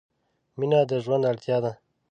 مینه د ژوند اړتیا ده.